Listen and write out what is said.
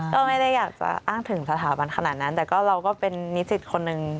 ก็ไม่ได้อยากจะอ้างถึงสถาบันขนาดนั้นแต่ก็เราก็เป็นนิสิตคนหนึ่ง